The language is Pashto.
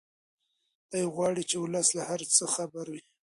دی غواړي چې ولس له هر څه خبر وي.